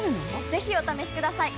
ぜひお試しください！